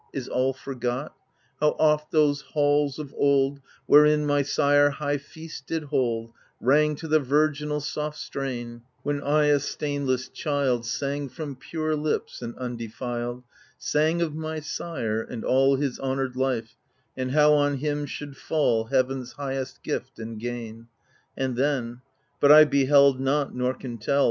Is all forgot f How oft those halls of oldy Wherein my sire high feast did hold^ Rang to the virginal soft strain^ When /, a stainless child^ Sang from pure lips and undeflled, Sang of my sire^ and all His honoured life^ and how on him should fall Heaven^ s highest gift and gain I And then — ^but I beheld not, nor can tell.